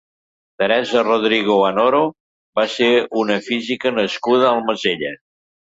Teresa Rodrigo Anoro va ser una física nascuda a Almacelles.